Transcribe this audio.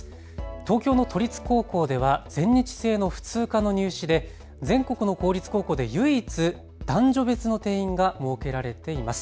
東京の都立高校では全日制の普通科の入試で全国の公立高校で唯一、男女別の定員が設けられています。